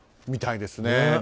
みたいですね。